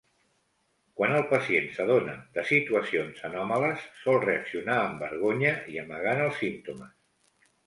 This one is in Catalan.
Quan el pacient s'adona de situacions anòmales sol reaccionar amb vergonya i amagant els símptomes.